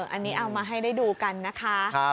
อันนี้เอามาให้ได้ดูกันนะคะ